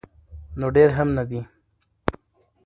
نو ډیر هم نه دي.